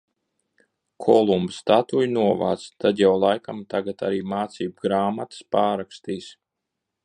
Kolumba statuju novāc, tad jau laikam tagad arī mācību grāmatas pārrakstīs.